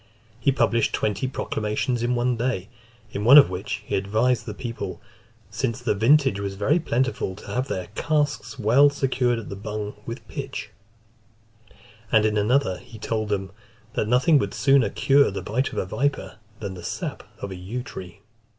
He published twenty proclamations in one day, in one of which he advised the people, "Since the vintage was very plentiful, to have their casks well secured at the bung with pitch:" and in another, he told them, "that nothing would sooner cure the bite of a viper, than the sap of the yew tree."